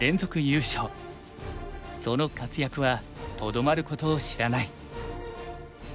その活躍はとどまることを知らない。